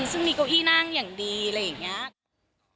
ซึ่งมีเก้าอี้นั่งอย่างดีอะไรอย่างนี้